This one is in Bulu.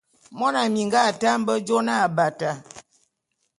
Mona minga ate a mbe jôé na Abata.